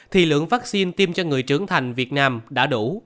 thì lượng vaccine tiêm cho người trưởng thành việt nam đã đủ